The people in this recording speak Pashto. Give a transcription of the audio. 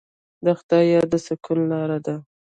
د خدای یاد د سکون لاره ده.